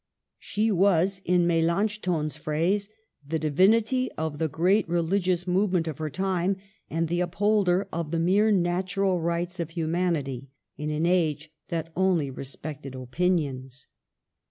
She was, in Melanchthon's phrase, the Divinity of the great religious movement of her time, and the upholder of the mere natural rights of humanity in an age that only re spected opinions.